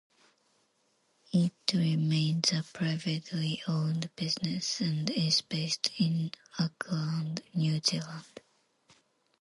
It remains a privately owned business and is based in Auckland, New Zealand.